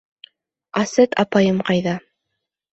— Асет апайым ҡайҙа?